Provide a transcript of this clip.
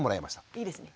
いいですね。